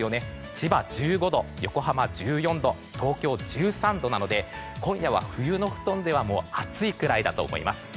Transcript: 千葉、１５度横浜、１４度東京、１３度なので今夜は冬の布団では暑いぐらいだと思います。